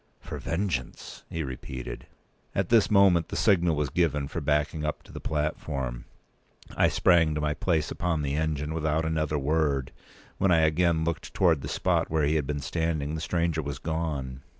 "For vengeance!" he repeated. At this moment the signal was given for backing up to the platform. I sprang to my place upon the engine without another word. p. 215When I again looked towards the spot where he had been standing, the stranger was gone.